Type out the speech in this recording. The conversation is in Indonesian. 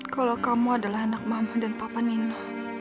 kalau kamu adalah anak mama dan papa nino